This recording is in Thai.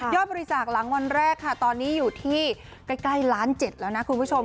บริจาคหลังวันแรกค่ะตอนนี้อยู่ที่ใกล้ล้าน๗แล้วนะคุณผู้ชม